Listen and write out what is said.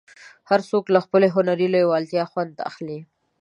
هر څوک له خپلې هنري لېوالتیا خوند اخلي.